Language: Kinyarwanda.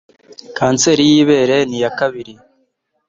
Kanseri y'ibere ni iya kabiri